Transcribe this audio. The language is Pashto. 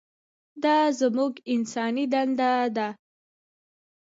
دا زموږ انساني دنده ده.